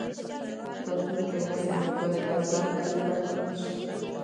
راتلونکی نسل مو باید له زده کړو بې برخې نشي.